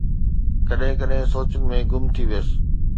ڪڏهن ڪڏهن سوچن ۾ گم ٿي ويس